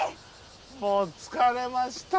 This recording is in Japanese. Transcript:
もう疲れました